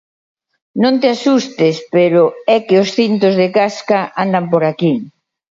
Non te asustes, pero é que os cintos de casca andan por aquí.